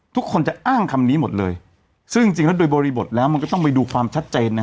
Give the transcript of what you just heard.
ทุกคนจะอ้างคำนี้หมดเลยซึ่งจริงแล้วโดยบริบทแล้วมันก็ต้องไปดูความชัดเจนนะ